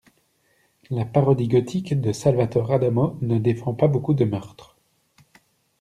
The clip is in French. La parodie gothique de Salvatore Adamo ne défend pas beaucoup de meurtres.